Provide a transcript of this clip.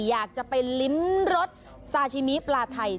อยากจะไปลิ้มรสซาชิมิปลาไทย